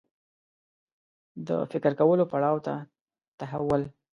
د فکر کولو پړاو ته تحول